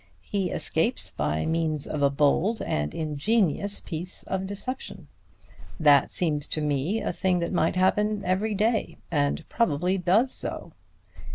He escapes by means of a bold and ingenious piece of deception. That seems to me a thing that might happen every day and probably does so."